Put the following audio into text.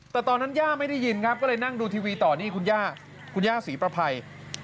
แต่ตอนนั้นย่าไม่ได้ยินครับก็เลยนั่งดูทีวีต่อนี่คุณย่าคุณย่าศรีประภัย